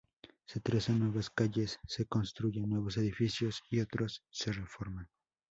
Se trazan nuevas calles, se construyen nuevos edificios y otros se reforman.